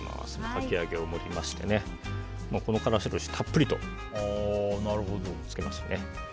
かき揚げを盛りましてからしおろしをたっぷりとつけますね。